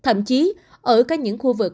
thậm chí ở các những khu vực